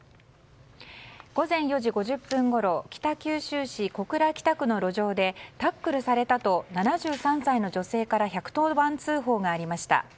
午前４時５０分ごろ北九州市小倉北区の路上でタックルされたと７３歳の女性から１１０番通報がありました。